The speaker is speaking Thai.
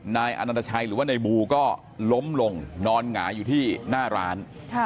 นายอนันตชัยหรือว่าในบูก็ล้มลงนอนหงายอยู่ที่หน้าร้าน